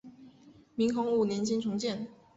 明洪武年间重建。